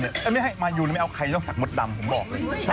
เวลาเจอคุณอ้ำเขาไม่ธรรมดานี้